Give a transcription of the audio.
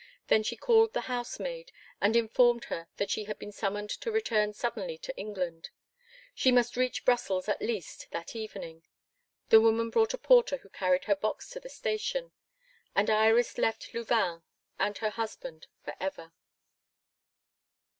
Then she called the housemaid and informed her that she had been summoned to return suddenly to England; she must reach Brussels at least that evening. The woman brought a porter who carried her box to the station; and Iris left Louvain and her husband for ever.